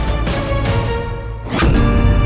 tidak ada yang bisa diberi